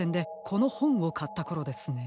このほんをかったころですね。